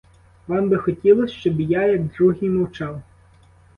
Вам би хотілось, щоб і я, як другі, мовчав?